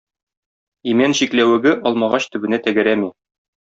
Имән чикләвеге алмагач төбенә тәгәрәми.